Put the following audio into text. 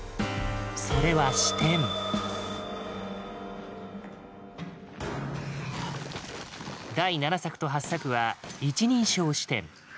それは第７作と８作は一人称視点。